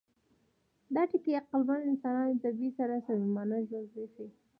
دا ټکي عقلمن انسان د طبیعت سره صمیمانه ژوند پرېښود.